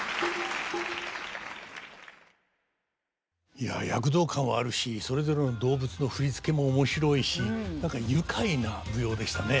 いや躍動感はあるしそれぞれの動物の振付も面白いし何か愉快な舞踊でしたね。